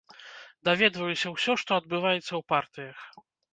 Даведваюся ўсё, што адбываецца ў партыях.